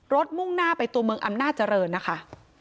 มุ่งหน้าไปตัวเมืองอำนาจเจริญนะคะ